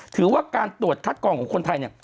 ถือว่าการตรวจทัศน์กองของคนไทย